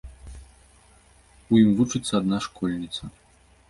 У ім вучыцца адна школьніца.